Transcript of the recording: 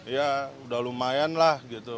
ya udah lumayan lah gitu